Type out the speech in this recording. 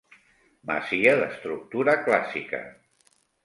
Masia d'estructura clàssica.